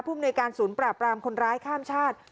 มนวยการศูนย์ปราบรามคนร้ายข้ามชาติ